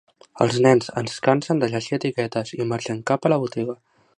Els nens es cansen de llegir etiquetes i marxen cap a la botiga.